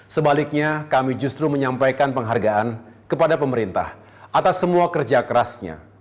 sebaliknya kami justru menyampaikan penghargaan kepada pemerintah atas semua kerja kerasnya